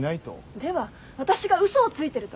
では私がうそをついてると？